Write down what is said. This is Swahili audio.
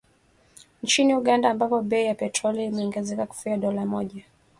Nchini Uganda ambapo bei ya petroli imeongezeka kufikia dola moja